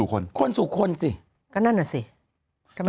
เป็นคนต่างชาติ